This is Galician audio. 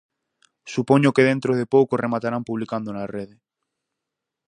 Supoño que dentro de pouco rematarán publicándoo na rede.